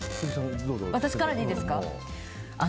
私からでいいですか。